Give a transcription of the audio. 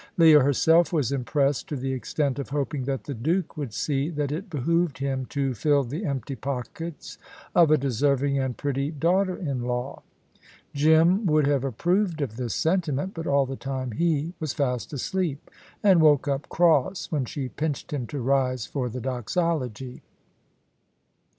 Leah herself was impressed, to the extent of hoping that the Duke would see that it behoved him to fill the empty pockets of a deserving and pretty daughter in law. Jim would have approved of this sentiment, but all the time he was fast asleep, and woke up cross when she pinched him to rise for the Doxology.